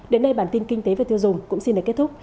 đến đây bản tin kinh tế về tiêu dùng cũng xin để kết thúc